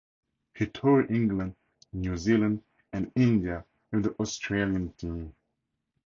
He toured England, New Zealand and India with the Australian team.